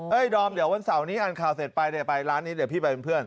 ดอมเดี๋ยววันเสาร์นี้อ่านข่าวเสร็จไปเดี๋ยวไปร้านนี้เดี๋ยวพี่ไปเป็นเพื่อน